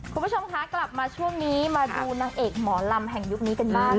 คุณผู้ชมคะกลับมาช่วงนี้มาดูนางเอกหมอลำแห่งยุคนี้กันบ้าง